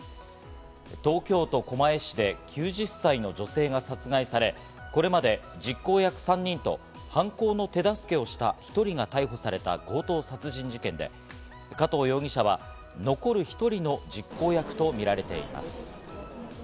東京都狛江市で９０歳の女性が殺害され、これまで実行役３人と犯行の手助けをした１人が逮捕された強盗殺人事件で、加藤容疑者は残る１人の実行役と見られています。